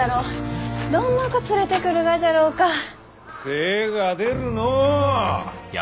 精が出るのう！